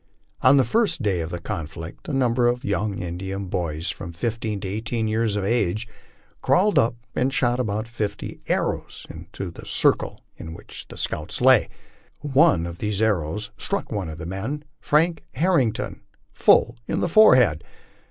On the first day of the conflict a number of young Indian boys from fifteen to eighteen years of age crawled up and shot about fifty arrows into the circle in which the scouts lay. One of these arrows struck one of the men, Frank Herrington, full in the forehead.